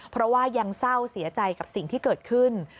เพราะว่ายังเศร้าเสียใจกับสิ่งที่เกิดขึ้น